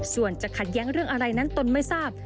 ส่วนจะขัดแย้งเรื่องอะไรนั้นตนไม่ทราบ